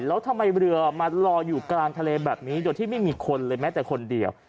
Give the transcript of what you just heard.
แล้วทำไมเรือมาลอยอยู่กลางทะเลแบบนี้โดยที่ไม่มีคนเลยแม้แต่คนเดียว